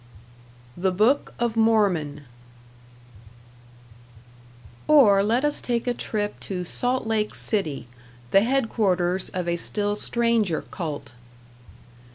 #The Book of Mormon# Or let us take a trip to Salt Lake City, the headquarters of a still stranger cult.